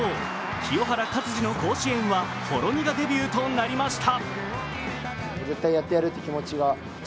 清原勝児の甲子園はほろ苦デビューとなりました。